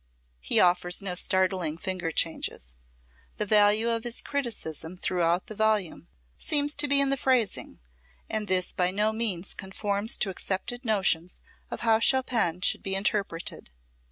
He offers no startling finger changes. The value of his criticism throughout the volume seems to be in the phrasing, and this by no means conforms to accepted notions of how Chopin should be interpreted.